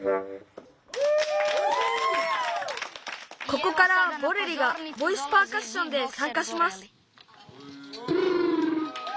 ここからボレリがボイスパーカッションでさんかします。